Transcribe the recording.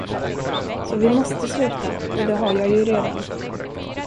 Så vi måste sluta, och det har jag ju redan.